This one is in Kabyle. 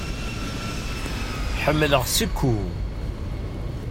Ḥemmleɣ seku.